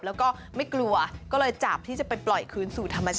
แล้วก็ไม่กลัวก็เลยจับที่จะไปปล่อยคืนสู่ธรรมชาติ